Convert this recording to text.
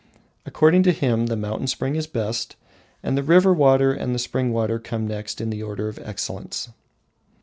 According to him, the mountain spring is the best, the river water and the spring water come next in the order of excellence.